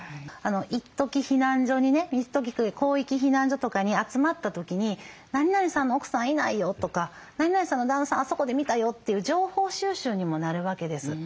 一時避難所にね広域避難所とかに集まった時に「なになにさんの奥さんいないよ」とか「なになにさんの旦那さんあそこで見たよ」っていう情報収集にもなるわけです。